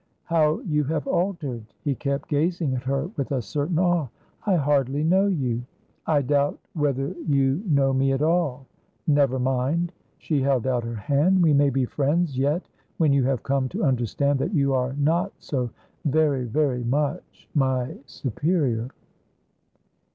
"How you have altered!" He kept gazing at her, with a certain awe. "I hardly know you." "I doubt whether you know me at all. Never mind." She held out her hand. "We may be friends yet when you have come to understand that you are not so very, very much my superior."